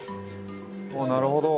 なるほど。